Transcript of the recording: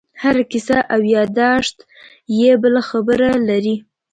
هره کیسه او یادښت یې بله خبره لري.